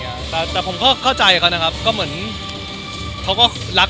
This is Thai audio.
เป็นตอนรักของมันที่เราไม่ขาดเรือนไว้